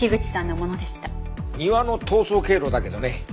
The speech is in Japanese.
庭の逃走経路だけどね